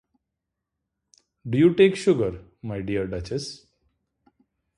Do you take sugar, my dear Duchess?